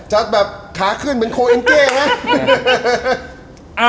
จะแบบขาขึ้นเหมือนโคเอ็นเกี้ยวนะ